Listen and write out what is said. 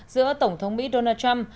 giữa tổng thống mỹ donald trump